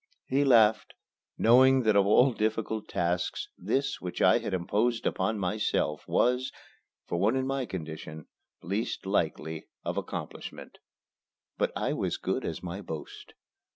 He laughed, knowing that of all difficult tasks this which I had imposed upon myself was, for one in my condition, least likely of accomplishment. But I was as good as my boast.